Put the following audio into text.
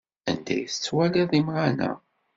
Anda ay tettwaliḍ imɣan-a?